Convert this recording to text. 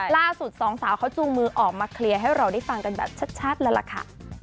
สองสาวเขาจูงมือออกมาเคลียร์ให้เราได้ฟังกันแบบชัดเลยล่ะค่ะ